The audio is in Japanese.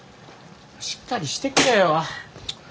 しっかりしてくれよ。